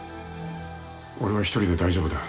俺は一人で大丈夫だ。